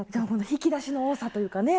引き出しの多さというかね